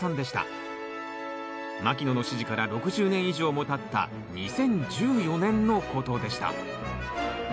牧野の指示から６０年以上もたった２０１４年のことでした。